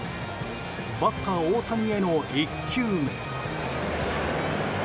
バッター大谷への１球目。